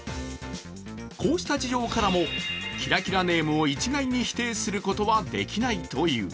こうした事情からもキラキラネームを一概に否定することはできないという。